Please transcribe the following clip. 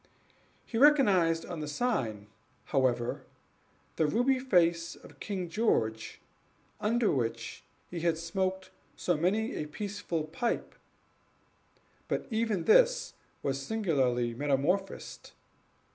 He recognized on the sign, however, the ruby face of King George, under which he had smoked so many a peaceful pipe; but even this was singularly metamorphosed.